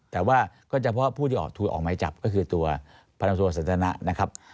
แต่ว่าก็เฉพาะผู้ที่ถูกออกมาจับก็คือตัวพนักศึกษาสันทนานะครับ